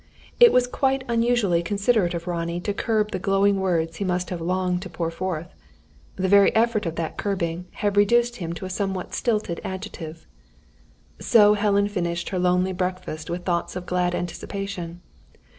It was quite unusually considerate of Ronnie to curb the glowing words he must have longed to pour forth. The very effort of that curbing, had reduced him to a somewhat stilted adjective. So Helen finished her lonely breakfast with thoughts of glad anticipation.